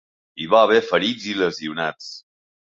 Hi va haver ferits i lesionats.